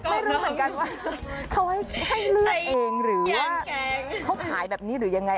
ไม่รู้เหมือนกันว่าเขาให้เลือกเองหรือว่าเขาขายแบบนี้หรือยังไง